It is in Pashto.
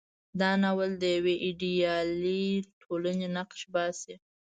دا ناول د یوې ایډیالې ټولنې نقشه باسي.